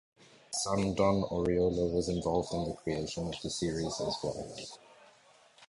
His son, Don Oriolo, was involved in the creation of this series as well.